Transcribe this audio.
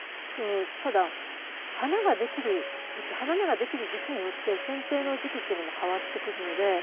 ただ花ができる時期花芽ができる時期によってせん定の時期っていうのも変わってくるので。